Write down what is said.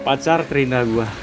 pacar terindah gue